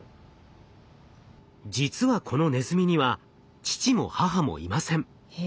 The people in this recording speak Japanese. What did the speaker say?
実はこのネズミには父も母もいません。